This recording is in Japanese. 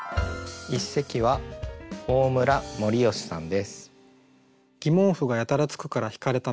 一席は大村森美さんです。